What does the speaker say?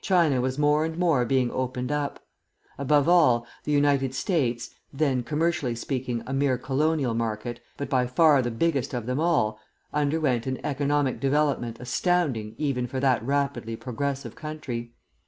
China was more and more being opened up. Above all, the United States then, commercially speaking, a mere colonial market, but by far the biggest of them all underwent an economic development astounding even for that rapidly progressive country.